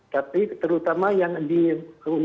tapi terutama yang di universitas persahabatan indonesia